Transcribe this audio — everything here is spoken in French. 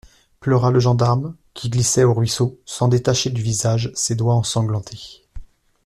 Pleura le gendarme, qui glissait au ruisseau, sans détacher du visage ses doigts ensanglantés.